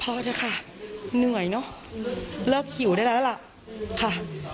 พอซะค่ะเหนื่อยเนอะแล้วพรบผิวได้แล้วล่ะค่ะ